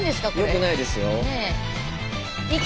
よくないですよ。